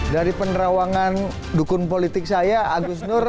dari penerawangan dukun politik saya agus nur